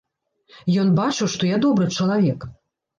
Ён бачыў, што я добры чалавек.